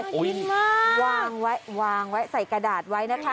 วางไว้วางไว้ใส่กระดาษไว้นะคะ